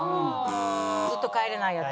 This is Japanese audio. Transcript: ずっと帰れないやつ。